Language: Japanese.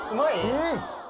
うん。